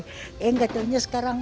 eh enggak tahunnya sekarang